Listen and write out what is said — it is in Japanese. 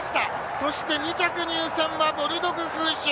そして、２着入線はボルドグフーシュ。